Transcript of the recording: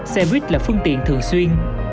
xe buýt là phương tiện thường xuyên